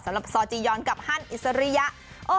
สำหรับซอจียอนกับฮันอิสริยะ